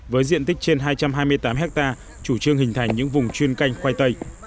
với diện tích trên hai trăm hai mươi tám ha chủ trương hình thành những vùng chuyên canh khoai tây